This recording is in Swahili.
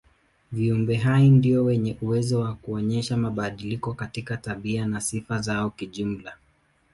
Viumbe hai ndio wenye uwezo wa kuonyesha mabadiliko katika tabia na sifa zao kijumla.